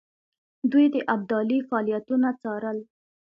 دوی د ابدالي فعالیتونه څارل.